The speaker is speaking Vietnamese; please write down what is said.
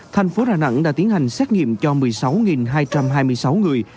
thành phố đà nẵng đã tiến hành xét nghiệm cho một mươi sáu hai trăm hai mươi sáu người